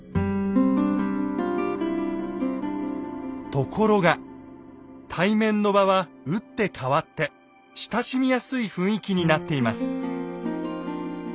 ところが対面の場は打って変わって親しみやすい雰囲気になっています。